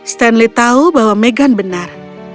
stanley tahu bahwa meghan benar